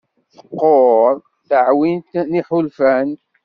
Teqqur teɛwint n yiḥulfan.